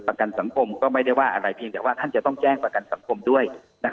ประกันสังคมก็ไม่ได้ว่าอะไรเพียงแต่ว่าท่านจะต้องแจ้งประกันสังคมด้วย